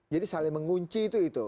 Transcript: jadi saling mengunci itu